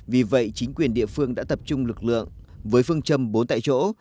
vì vậy chính quyền địa phương đã tập trung lực lượng với phương châm bốn tại chỗ